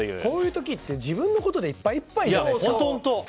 こういう時って自分のことでいっぱいいっぱいじゃないですか。